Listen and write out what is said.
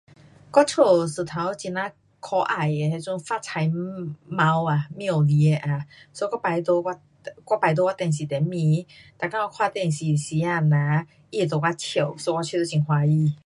我家有一只很呀可爱的那种发财嚒，猫啊，猫来的啊，so 我摆在我，um 我摆在我电视上面，每天看电视时间呐，它会对我笑。so 我觉得很欢喜。